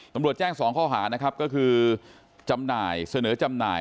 ตำรวจแจ้ง๒ข้อหานะครับก็คือเสนอจำหน่าย